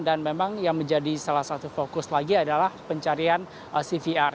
dan memang yang menjadi salah satu fokus lagi adalah pencarian cvr